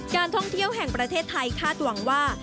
การท่องเที่ยวแห่งประเทศไทยคาดหวังว่า